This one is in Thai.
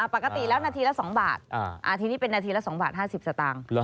ปกติแล้วนาทีละ๒บาททีนี้เป็นนาทีละ๒บาท๕๐สตางค์